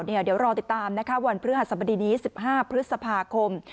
เดี๋ยวรอติดตามนะคะวันพฤหัสบดีนี้๑๕พฤษภาคม